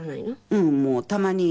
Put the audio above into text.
うんもうたまに。